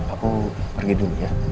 aku pergi dulu ya